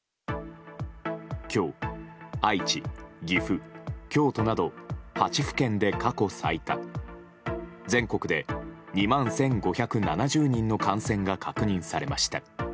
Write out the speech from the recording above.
今日、愛知、岐阜、京都など８府県で過去最多全国で２万１５７０人の感染が確認されました。